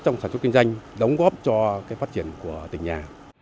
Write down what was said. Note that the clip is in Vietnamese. trong sản xuất kinh doanh đóng góp cho phát triển của tỉnh nhà